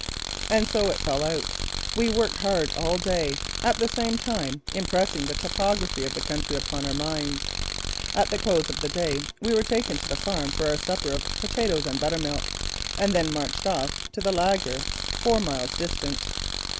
And so it fell out. We worked hard all that day, at the same time impressing the topography of the country upon our minds. At the close of the day we were taken to the farm for our supper of potatoes and buttermilk and then marched off to the laager, four miles distant.